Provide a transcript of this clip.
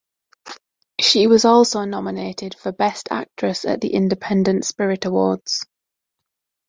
She was also nominated for Best Actress at the Independent Spirit Awards.